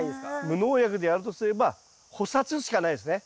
無農薬でやるとすれば捕殺しかないですね。